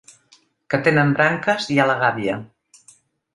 Que tenen branques i a la gàbia.